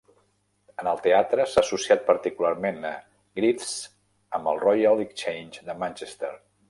En el teatre, s'ha associat particularment a Griffths amb el Royal Exchange de Manchester.